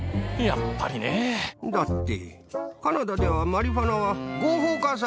だって。